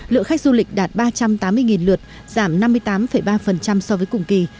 lượng khách du lịch đạt ba trăm tám mươi lượt giảm năm mươi tám ba so với cùng kỳ